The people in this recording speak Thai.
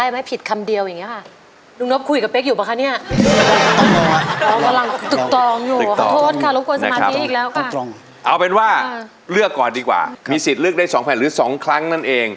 มีสิทธิ์เลือกได้๒แผ่นหรือ๒ครั้งนั่นเอง